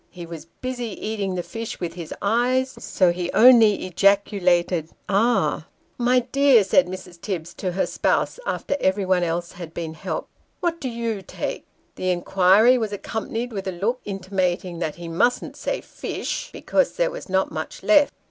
He was busy eating the fish with his eyes : so he only ejaculated, " Ah !"" My dear," said Mrs. Tibbs to her spouse after everyone else had been helped, "what do you take?" The inquiry was accompanied with a look intimating that he mustn't say fish, because there was not much left.